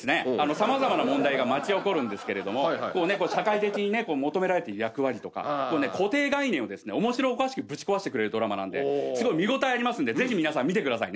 様々な問題が巻き起こるんですけれども社会的にね求められている役割とか固定観念を面白おかしくぶち壊してくれるドラマなんですごい見応えありますんでぜひ皆さん見てくださいね。